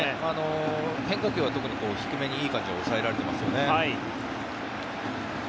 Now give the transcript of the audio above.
変化球は特に低めにいい感じで抑えられてますよね。